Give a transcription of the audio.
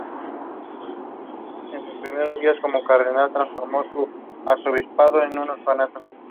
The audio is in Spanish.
Prestó su voz al personaje del Mr.